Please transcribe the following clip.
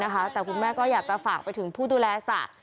แต่คุณแม่ก็อยากจะฝากไปถึงผู้ดูแลสระ